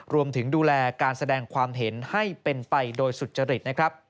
รวมถึงดูแลการแสดงความเห็นให้เป็นไปโดยสุจริตนะครับ